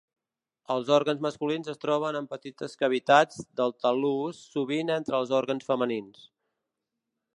Els òrgans masculins es troben en petites cavitats del tal·lus sovint entre els òrgans femenins.